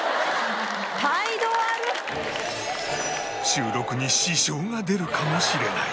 収録に支障が出るかもしれない